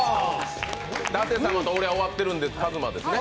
舘様と俺は終わってるんでＫＡＺＭＡですね。